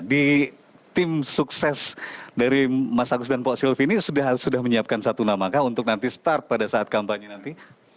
di tim sukses dari mas agus dan pak sylvi ini sudah menyiapkan satu namakah untuk nanti start pada saat kampanye nanti